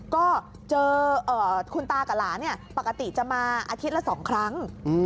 ก็เจอคุณตากับหลานปกติจะมาอาทิตย์ละ๒ครั้ง